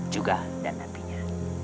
juga dan nantinya